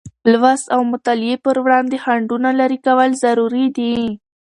لوست او مطالعې پر وړاندې خنډونه لېرې کول ضروري دی.